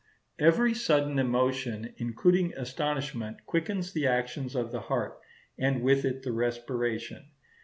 Every sudden emotion, including astonishment, quickens the action of the heart, and with it the respiration.